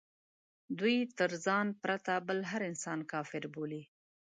دوی تر ځان پرته بل هر انسان کافر بولي.